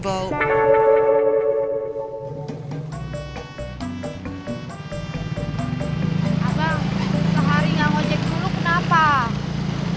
abang sehari gak ngojek dulu kenapa